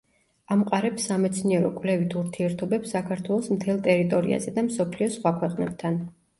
ამყარებს სამეცნიერო-კვლევით ურთიერთობებს საქართველოს მთელ ტერიტორიაზე და მსოფლიოს სხვა ქვეყნებთან.